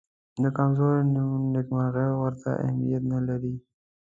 د کمزورو نېکمرغي ورته اهمیت نه لري.